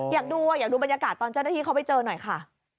อยากดูอยากดูบรรยากาศตอนเจ้าหน้าที่เขาไปเจอหน่อยค่ะ